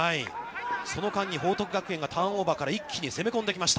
その間に報徳学園がターンオーバーから一気に攻め込んできました。